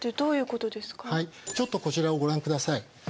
はいちょっとこちらをご覧ください。